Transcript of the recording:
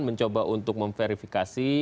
mencoba untuk memverifikasi